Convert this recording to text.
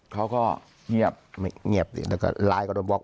เขาก็เงียบไม่เงียบแต่ก็ไลน์ก็บล็อก